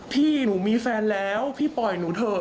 พี่หนูมีแฟนแล้วพี่ปล่อยหนูเถอะ